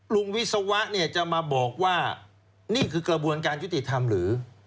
วิศวะเนี่ยจะมาบอกว่านี่คือกระบวนการยุติธรรมหรือ